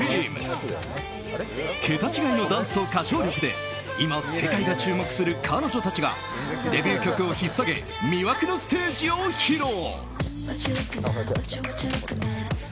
桁違いのダンスと歌唱力で今、世界が注目する彼女たちがデビュー曲を引っさげ魅惑のステージを披露。